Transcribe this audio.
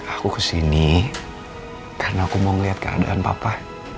aku kesini karena aku mau ngeliat keadaan papa